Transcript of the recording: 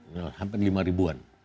sampai lima ribuan